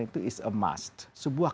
itu is a must sebuah